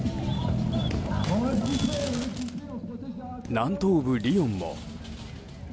南東部リヨンも。